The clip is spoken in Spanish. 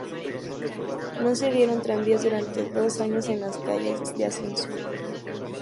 No se vieron tranvías durante dos años en las calles de Asunción.